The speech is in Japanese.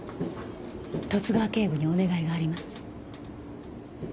十津川警部にお願いがあります。